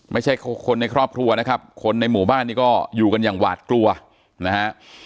ไม่ใช่คนในครอบครัวนะครับคนในหมู่บ้านนี้ก็อยู่กันอย่างหวาดกลัวนะฮะ